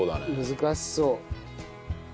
難しそう。